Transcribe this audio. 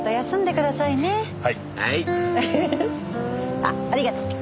あっありがとう。